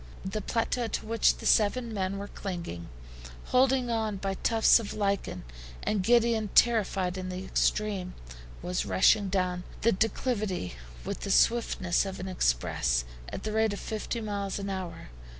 The plateau to which the seven men were clinging, holding on by tufts of lichen, and giddy and terrified in the extreme, was rushing down the declivity with the swiftness of an express, at the rate of fifty miles an hour.